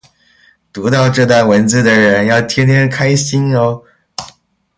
读到这段文字的人要天天开心哦